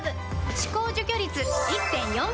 歯垢除去率 １．４ 倍！